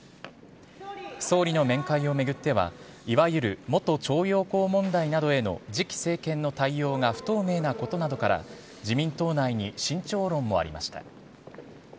総理の面会を巡っては、いわゆる元徴用工問題などへの次期政権の対応が不透明なことなどから、自民党内に慎重論もありました。